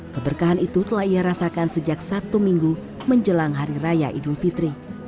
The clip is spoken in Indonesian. keberkahan itu telah ia rasakan sejak sabtu minggu menjelang hari raya idul fitri